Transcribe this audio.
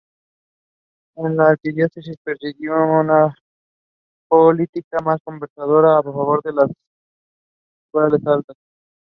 Most have flowers that open at night.